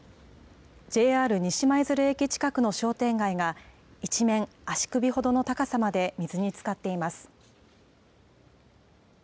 ＪＲ西舞鶴駅近くの商店街が、一面、足首ほどの高さまで水につかっています。